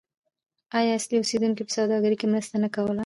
آیا اصلي اوسیدونکو په سوداګرۍ کې مرسته نه کوله؟